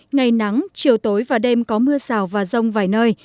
ngày nắng chiều tối và đêm có mưa rào và rông vài nơi